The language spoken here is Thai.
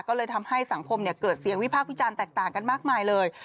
ก็เลยทำให้สังคมเกิดเสียงวิพากษ์วิจารณ์แตกต่างกันมากมายเลย